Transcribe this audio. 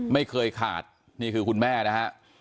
ไม่เคยขาดนี่คือคุณแม่นะฮะ